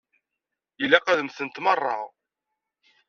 Ilaq ad mmtent merra.